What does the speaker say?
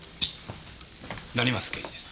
成増刑事です。